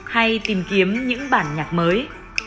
hay tìm kiếm những bản nhạc mới